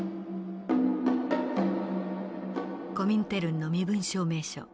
コミンテルンの身分証明書。